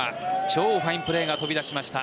超ファインプレーが飛び出しました。